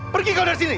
pergi kau dari sini